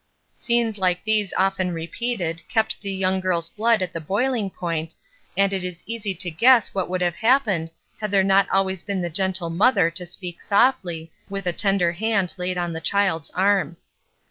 '' Scenes like these often repeated kept the young girl's blood at the boiling point, and it is easy to guess what would have happened had there not been always the gentle mother to speak softly, with a tender hand laid on the child's arm.